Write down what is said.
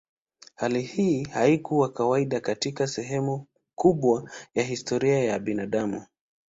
Hali hii haikuwa kawaida katika sehemu kubwa ya historia ya binadamu.